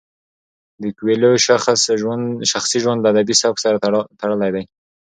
د کویلیو شخصي ژوند له ادبي سبک سره تړلی دی.